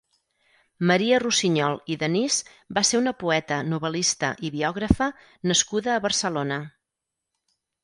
Maria Rusiñol i Denís va ser una poeta, novel·lista i biògrafa nascuda a Barcelona.